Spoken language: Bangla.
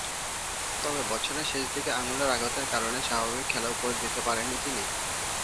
তবে বছরের শেষদিকে আঙ্গুলের আঘাতের কারণে স্বাভাবিক খেলা উপহার দিতে পারেননি তিনি।